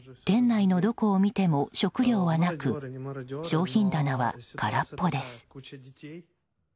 店内のどこを見ても食料はなく商品棚は空っぽです。